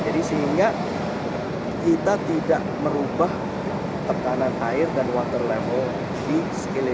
jadi sehingga kita tidak merubah tekanan air dan water level